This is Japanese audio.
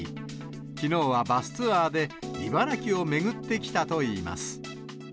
きのうはバスツアーで茨城を巡ってきたといいます。